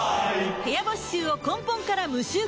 部屋干し臭を根本から無臭化